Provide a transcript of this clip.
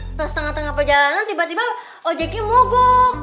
setelah setengah tengah perjalanan tiba tiba ojeknya mogok